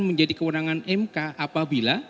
menjadi kewenangan mk apabila